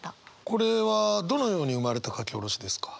これはどのように生まれた書き下ろしですか？